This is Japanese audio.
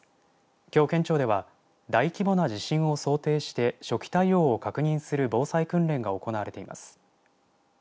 きょう県庁では大規模な地震を想定して初期対応を確認する防災訓練が行われています。